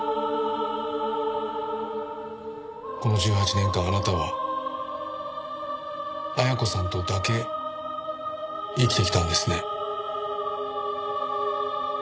この１８年間あなたは恵子さんとだけ生きてきたんですね。